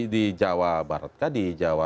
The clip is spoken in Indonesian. di jawa barat kah di jawa